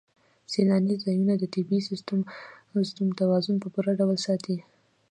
سیلاني ځایونه د طبعي سیسټم توازن په پوره ډول ساتي.